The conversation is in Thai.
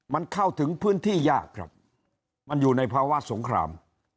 มันเข้าถึงพื้นที่ยากครับมันอยู่ในภาวะสงคราม